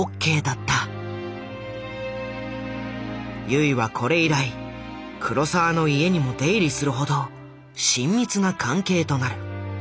油井はこれ以来黒澤の家にも出入りするほど親密な関係となる。